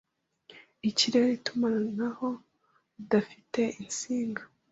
Ikirere Itumanaho ridafite insinga